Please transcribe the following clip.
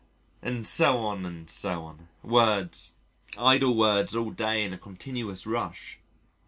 And so on and so on. Words, idle words all day in a continuous rush.